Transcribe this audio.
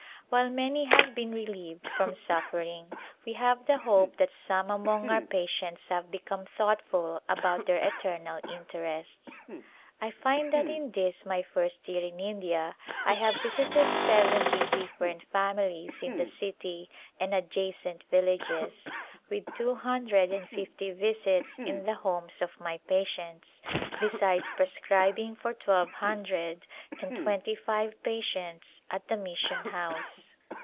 While many have been relieved from suffer ing we have the hope that some among our patients have become thoughtful about their eternal interests. I find that in this my first year in India I have vis ited seventy different families in the city and adjacent villages, with two hundred and fifty visits in the homes First Hot Season of my patients, besides prescribing for twelve hundred and twenty five patients at the mission house.